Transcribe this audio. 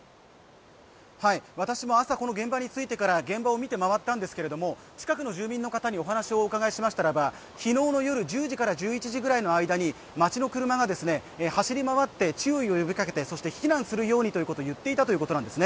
私も朝、この現場に着いてから現場を見て回ったんですが近くの住民の方にお話をお伺いしましたらば昨日の夜、１０時から１１時ぐらいの間に、町の車が走り回って注意を呼びかけて、避難するようにということを伝えていたようなんです。